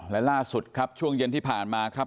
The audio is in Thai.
และล่าสุดครับช่วงเย็นที่ผ่านมาครับ